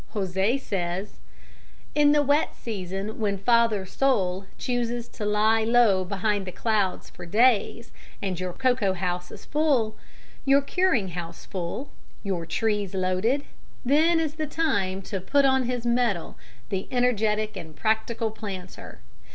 José says: "In the wet season when 'Father Sol' chooses to lie low behind the clouds for days and your cocoa house is full, your curing house full, your trees loaded, then is the time to put on his mettle the energetic and practical planter.